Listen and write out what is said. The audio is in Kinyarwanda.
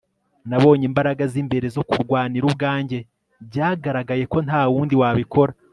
nabonye imbaraga zimbere zo kurwanira ubwanjye. byaragaragaye ko nta wundi wabikora